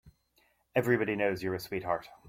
Everybody knows you're a sweetheart.